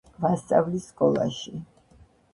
ვასწავლი სკოლაში.